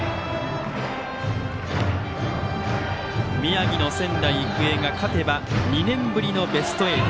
宮城の仙台育英が勝てば２年ぶりのベスト８。